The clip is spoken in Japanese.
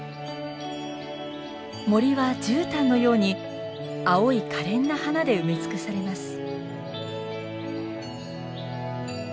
森は絨毯のように青いかれんな花で埋め尽くされます。